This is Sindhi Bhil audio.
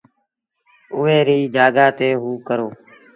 هئو ريٚ جآڳآ تي هئو ڪرو۔